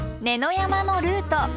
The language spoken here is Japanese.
山のルート。